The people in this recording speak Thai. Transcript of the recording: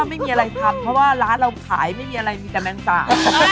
ไม่มีอะไรทำเพราะว่าร้านเราขายไม่มีอะไรมีแต่แมงสาบ